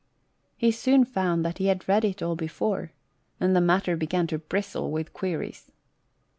He soon found that he had read it all before, and the matter began to bristle with 94 LTTBRIETTA. queries.